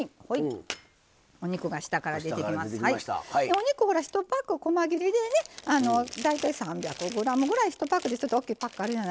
お肉ひとパックこま切れでね大体３００ｇぐらい１パックでちょっと大きいパックあるじゃないですか。